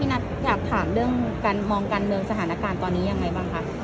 นัทอยากถามเรื่องการมองการเมืองสถานการณ์ตอนนี้ยังไงบ้างคะ